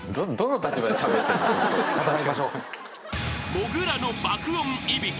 ［もぐらの爆音いびき